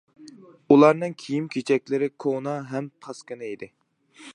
ئۇلارنىڭ كىيىم-كېچەكلىرى كونا ھەم پاسكىنا ئىدى.